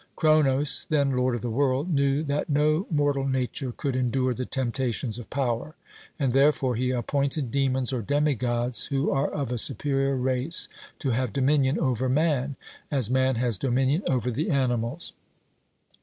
Cronos, then lord of the world, knew that no mortal nature could endure the temptations of power, and therefore he appointed demons or demi gods, who are of a superior race, to have dominion over man, as man has dominion over the animals.